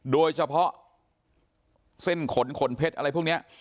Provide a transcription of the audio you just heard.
โดยเฉพาะเส้นขนขนเพชรอะไรพวกนี้